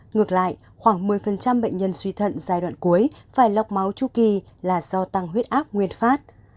ngược lại khoảng một mươi bệnh nhân suy thận giai đoạn cuối phải lọc máu tru kỳ là do tăng huyết áp nguyên phát